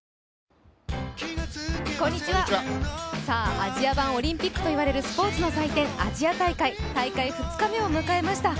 アジア版オリンピックといわれるスポーツの大会、アジア大会大会２日目を迎えました。